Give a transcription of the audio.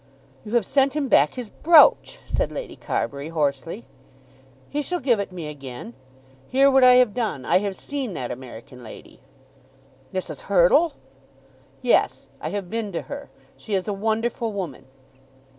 "You have sent him back his brooch," said Lady Carbury hoarsely. "He shall give it me again. Hear what I have done. I have seen that American lady." "Mrs. Hurtle!" "Yes; I have been to her. She is a wonderful woman."